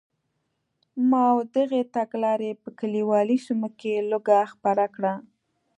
ماوو دغې تګلارې په کلیوالي سیمو کې لوږه خپره کړه.